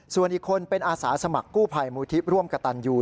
ส่วนอีกคนเป็นอาสาสมัครกู้ภัยมูลที่ร่วมกระตันยู